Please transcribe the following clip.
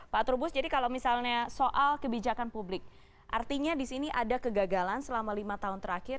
pak trubus jadi kalau misalnya soal kebijakan publik artinya di sini ada kegagalan selama lima tahun terakhir